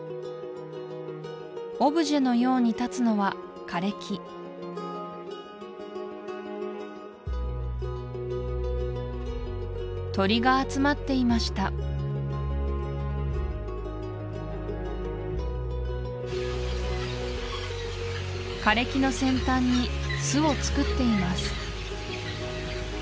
オブジェのように立つのは枯れ木鳥が集まっていました枯れ木の先端に巣をつくっています